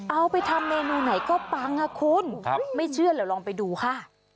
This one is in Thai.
เอาไปทำเมนูไหนก็ปังอ่ะคุณไม่เชื่อเดี๋ยวลองไปดูค่ะ